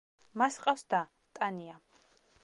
მას ჰყავს და, ტანია.